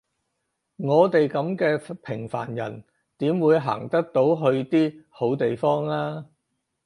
我哋噉嘅平凡人點會行得到去啲好地方呀？